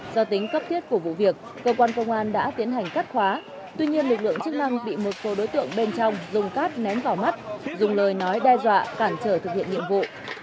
do tính cấp thiết của vụ việc cơ quan công an đã tiến hành cắt khóa tuy nhiên lực lượng chức năng bị một số đối tượng bên trong dùng cát ném vào mắt dùng lời nói đe dọa cản trở thực hiện nhiệm vụ